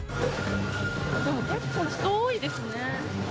結構人多いですね。